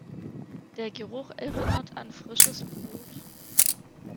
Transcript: Der Geruch erinnert an frisches Brot.